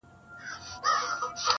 o انسان بې وزره مرغه دئ٫